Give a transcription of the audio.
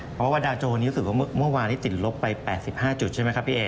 เพราะว่าดาวโจนี่รู้สึกว่าเมื่อวานนี้ติดลบไป๘๕จุดใช่ไหมครับพี่เอ